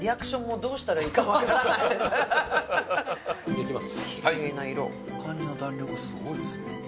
行きます。